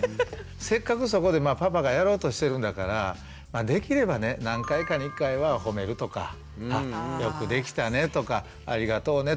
せっかくそこでパパがやろうとしてるんだからできればね何回かに１回は褒めるとか「よくできたね」とか「ありがとうね」とか。